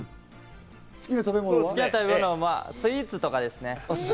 好きな食べ物はスイーツとかですね。